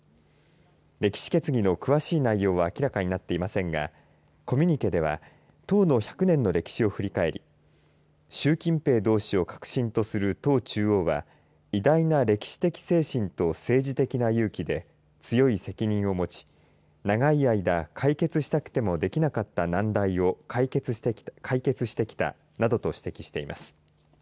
歴史決議の詳しい内容は明らかになっていませんがコミュニケでは党の１００年の歴史を振り返り習近平同志を核心とする党中央は偉大な歴史的精神と政治的な勇気で強い責任を持ち長い間、解決したくてもできなかった難題を解決してきたなどと指摘しています。